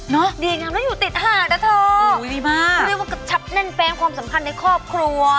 เนอะดีงามแล้วอยู่ติดห่างนะเถอะคุณเรียกว่ากระชับแน่นแฟนความสำคัญในครอบครัว